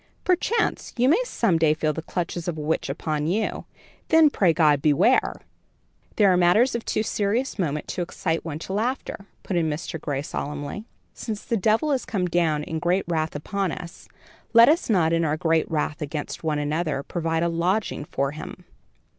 Perchance you may some day feel the clutches of a witch upon you, then, pray God, beware." "These are matters of too serious moment to excite one to laughter," put in Mr. Gray, solemnly. "Since the devil is come down in great wrath upon us, let us not in our great wrath against one another provide a lodging for him."